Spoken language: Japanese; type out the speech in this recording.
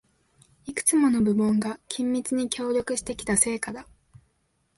いくつもの部門が緊密に協力してきた成果だ